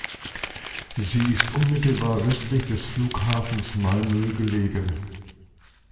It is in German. Sie ist unmittelbar westlich des Flughafens Malmö gelegen.